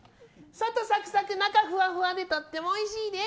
外サクサク、中フワフワでとってもおいしいです！